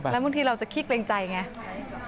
แล้วบางทีเราจะขี้เกรงใจไง